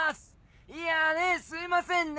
いやねっすいませんね